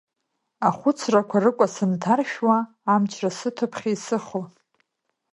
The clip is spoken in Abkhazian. Ахәыцрақәа рыкәа сынҭаршәуа, амчра сыҭо ԥхьа исыхо.